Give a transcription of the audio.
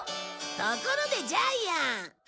ところでジャイアン。